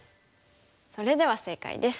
それでは正解です。